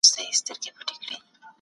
ملا يارمحمد ميرحمزه تلوکانى ملازبردست